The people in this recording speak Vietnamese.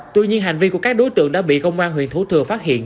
tuy nhiên hành vi của các đối tượng đã bị công an huyện thủ thừa phát hiện